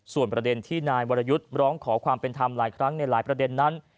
ส่วนประเด็นที่นายวรยุทธ์ร้องขอความเป็นธรรมหลายครั้งในหลายประเด็นนั้น